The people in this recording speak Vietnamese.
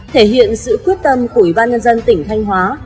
thể hiện sự quyết tâm của ủy ban nhân dân tỉnh thanh hóa